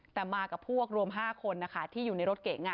แต่มากับพวกรวม๕คนที่อยู่ในรถเก๋ง